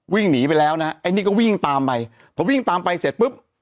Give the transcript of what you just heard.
วิ่งหนีไปแล้วนะไอ้นี่ก็วิ่งตามไปพอวิ่งตามไปเสร็จปุ๊บ